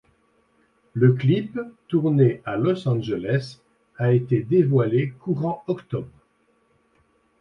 Le clip, tourné à Los Angeles, a été dévoilé courant octobre.